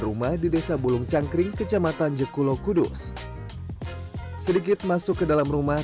rumah di desa bulung cangkring kecamatan jekulo kudus sedikit masuk ke dalam rumah